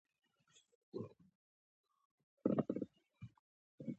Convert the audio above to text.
جګړه ماران جګړه خوښوي